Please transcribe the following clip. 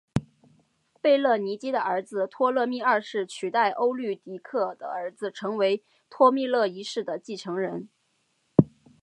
贝勒尼基的儿子托勒密二世取代欧律狄刻的儿子成为托勒密一世的继承人。